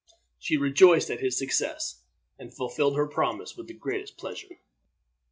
She rejoiced at his success, and fulfilled her promise with the greatest pleasure.